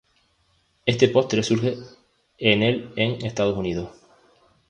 Este postre surge en el en Estados Unidos.